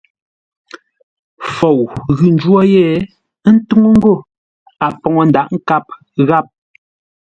Fou ghʉ ńjwó yé, ə́ ntúŋú ńgó a poŋə ńdǎghʼ nkâp gháp.